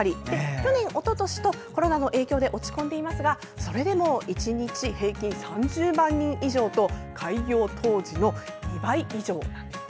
去年、おととしとコロナの影響で落ち込んでいますがそれでも１日平均３０万人以上と開業当時の２倍以上なんですね。